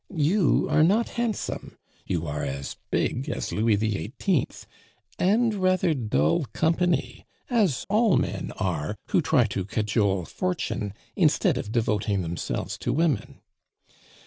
You are not handsome; you are as big as Louis XVIII., and rather dull company, as all men are who try to cajole fortune instead of devoting themselves to women.